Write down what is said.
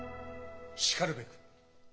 しかるべく。